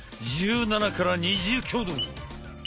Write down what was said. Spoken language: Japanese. １７から２０挙動。